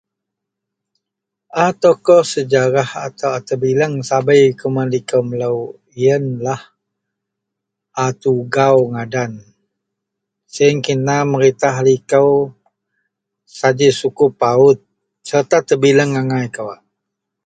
A tokoh sejarah atau a tebileng sabei kuman likou melou yenlah a Tugau ngadan. Siyen kena meritah likou saji sukup pawut sereta tebileng angai kawak.